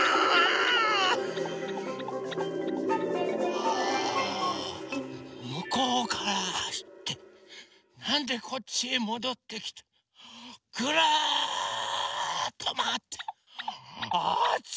ああむこうからはしってなんでこっちへもどってきてぐるっとまわってあつい！